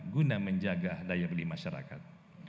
guna menjaga daya beli masyarakat